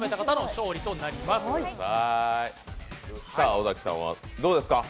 尾崎さんはどうですか？